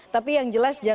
tapi yang jelas